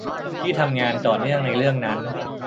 ที่ทำงานต่อเนื่องในเรื่องนั้น